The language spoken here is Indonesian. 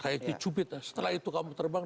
kayak dicubit setelah itu kamu terbang